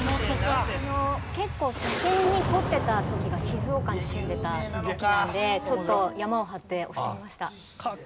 結構写真に凝ってた時が静岡に住んでた時なのでちょっとヤマを張って押してみました。